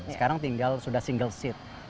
sekarang tinggal sudah single seat